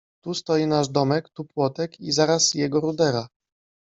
Tu stoi nasz domek, tu płotek — i zaraz jego rudera.